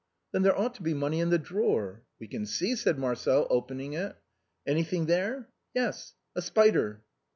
" Then there ought to be money in the drawer." " We can see," said Marcel, opening it. " Anything there ?"" Yes, a spider."